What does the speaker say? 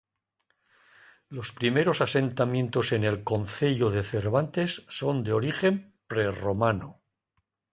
Los primeros asentamientos en el concello de Cervantes son de origen prerromano.